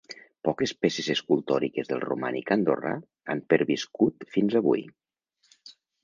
Poques peces escultòriques del Romànic andorrà han perviscut fins avui.